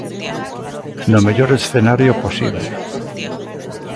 No mellor escenario posible.